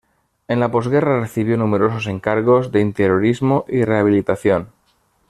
En la postguerra recibió numerosos encargos de interiorismo y rehabilitación.